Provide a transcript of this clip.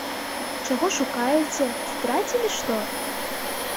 Чаго шукаеце, страцілі што?